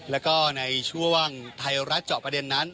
แล้วก็ในช่วงไทยรัฐเจาะประเด็นนั้น